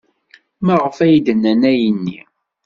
Maɣef ay d-nnan ayenni?